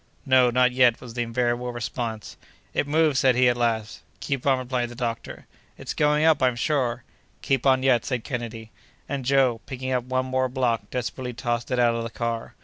"No, not yet," was the invariable response. "It moves!" said he, at last. "Keep on!" replied the doctor. "It's going up; I'm sure." "Keep on yet," said Kennedy. And Joe, picking up one more block, desperately tossed it out of the car.